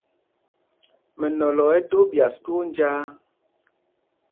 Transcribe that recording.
Mɛnɔlɔ ɛ́ ɛ́ dō ɓyas twóó njāā.